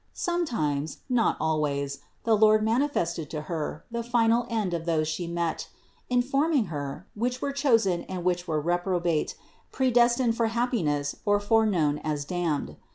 Some times, not always, the Lord manifested to Her the final end of those She met : informing Her, which were chosen and which were reprobate, predestined for hap piness or foreknown as damned.